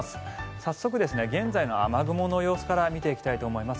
早速現在の雨雲の様子から見ていきたいと思います。